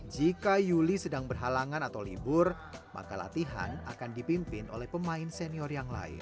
jika yuli sedang berhalangan atau libur maka latihan akan dipimpin oleh pemain senior yang lain